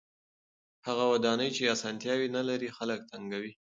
هغه ودانۍ چې اسانتیاوې نلري خلک تنګوي.